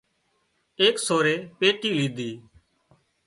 ايڪ سورئي پيٽي ليڌي